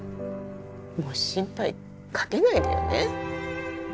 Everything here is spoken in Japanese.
もう心配かけないでよね。